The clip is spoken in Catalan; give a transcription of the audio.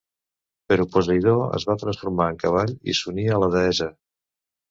Però Posidó es va transformar en cavall i s'uní a la deessa.